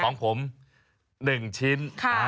ของผม๑ชิ้น